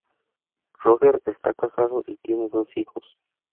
Roger está casado y tiene dos hijos.